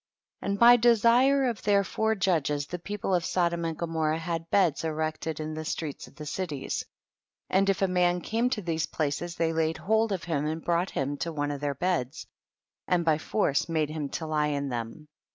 3. And by desire of their four judges the people of Sodom and Gomorrah had beds erected in the streets of the cities, and if a man came to these places they laid hold of him and brought him to one of their beds, and by force made him to lie in them.